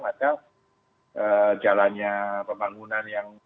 maka jalannya pembangunan yang